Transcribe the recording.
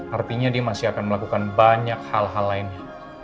artinya dia masih akan melakukan banyak hal hal lainnya